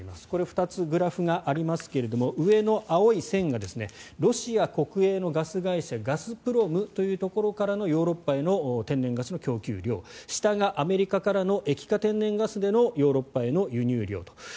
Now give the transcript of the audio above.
これは２つグラフがありますが上の青い線がロシア国営のガス会社ガスプロムというところからのヨーロッパへの供給量下がアメリカからの液化天然ガスへのヨーロッパへの輸入量と。